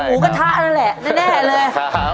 หมูกระทะนั่นแหละแน่เลย